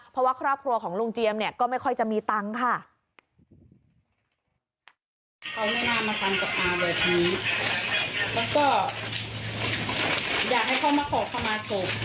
เพราะว่าครอบครัวของลุงเจียมเนี่ยก็ไม่ค่อยจะมีตังค์ค่ะ